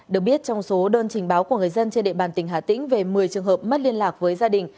được biết trong số đơn trình báo của người dân trên địa bàn tỉnh hà tĩnh về một mươi trường hợp mất liên lạc với gia đình